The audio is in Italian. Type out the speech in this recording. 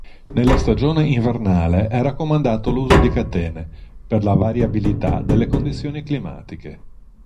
Nella stagione invernale è raccomandato l'uso di catene per la variabilità delle condizioni climatiche.